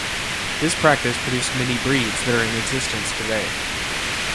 This practice produced many breeds that are in existence today.